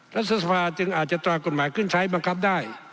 และสภาจึงอาจจะตรากฎหมายควรคลิกบังคับได้